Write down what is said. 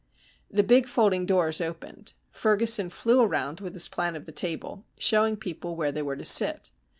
The big folding doors opened. Ferguson flew around with his plan of the table, showing people where they were to sit.